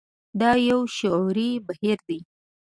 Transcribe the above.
دا يو شعوري بهير دی.